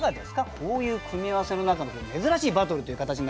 こういう組み合わせの中の珍しいバトルという形になりましたけども。